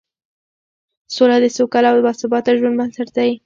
سوله د سوکاله او باثباته ژوند بنسټ دی